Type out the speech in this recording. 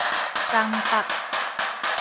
江北